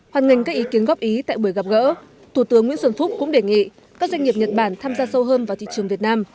hoàn ngành các ý kiến góp ý tại buổi gặp gỡ thủ tướng nguyễn xuân phúc cũng đề nghị các doanh nghiệp nhật bản tham gia sâu hơn vào thị trường việt nam